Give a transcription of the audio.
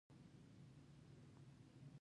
هلته ما یو بوډا سړی ولید.